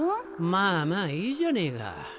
まぁまぁいいじゃねえか。